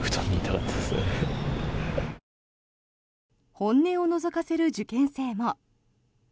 本音をのぞかせる受験生も。